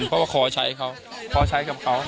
เพราะว่าขอใช้เขา